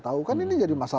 yang ketiga itu monster